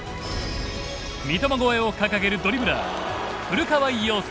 三笘超えを掲げるドリブラー古川陽介。